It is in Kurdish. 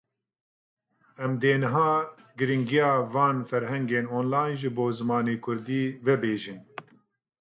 Em dê niha girîngîya van ferhengên online ji bo zimanê kurdî vebêjin.